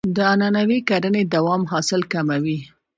د عنعنوي کرنې دوام حاصل کموي.